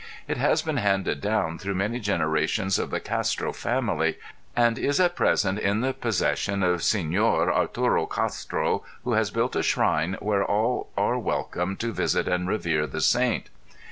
It has been handed down through many generations of the Castro family and is at present in the possession of Sr. Arturo Castro who has built a shrine where all are welcome to visit and revere the saint.